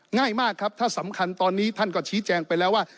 ง่ายมากครับถ้าสำคัญตอนนี้ท่านก็ชี้แจงไปแล้วว่า